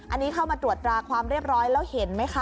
อันนี้เข้ามาตรวจตราความเรียบร้อยแล้วเห็นไหมคะ